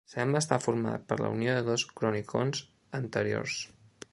Sembla estar format per la unió de dos cronicons anteriors.